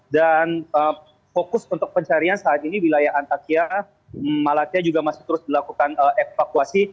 dan fokus untuk pencarian saat ini wilayah antakya malatya juga masih terus dilakukan evakuasi